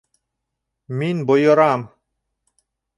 Мин бойорам!